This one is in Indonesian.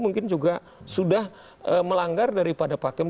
mungkin juga sudah melanggar daripada pak kemp